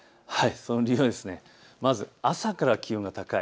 その理由は、まず朝から気温が高い。